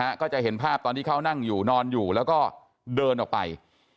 ก็จะเห็นภาพตอนที่เขานั่งอยู่นอนอยู่แล้วก็เดินออกไป